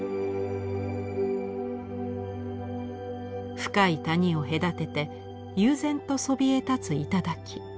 深い谷を隔てて悠然とそびえ立つ頂。